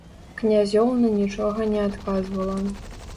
Князёўна нічога не адказвала.